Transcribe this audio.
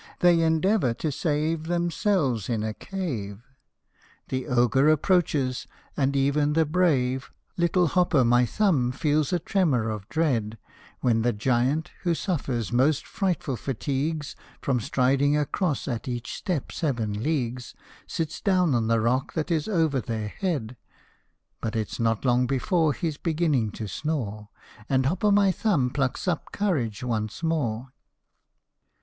They endeavour to save Themselves in a cave : The Ogre approaches, and even the brave 89 HOP O MY THUMB. Little Hop o' my Thumb feels a tremor of dread When the giant, who suffers most frightful fatigues From striding across at each step seven leagues, Sits down on the rock that is over their head ; But it 's not long before He 's beginning to snore, And Hop o' my Thumb plucks up courage once more.